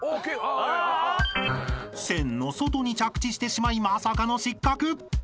［線の外に着地してしまいまさかの失格］